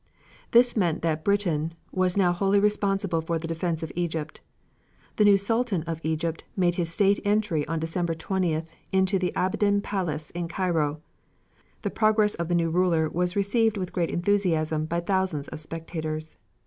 This meant that Britain was now wholly responsible for the defense of Egypt. The new Sultan of Egypt made his state entry on December 20th into the Abdin Palace in Cairo. The progress of the new ruler was received with great enthusiasm by thousands of spectators.